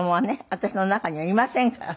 私の中にはいませんから」